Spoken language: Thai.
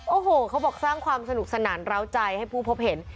โอ้โหเขาบอกสร้างความสนุกสนานร้าวใจให้ผู้พบเห็น